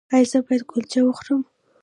ایا زه باید کلچه وخورم؟